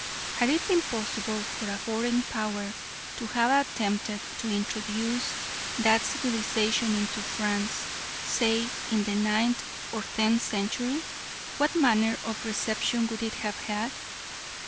Had it been possible for a foreign power to have attempted to introduce that civilisation into France, say in the ninth or tenth century, what manner of reception would it have had?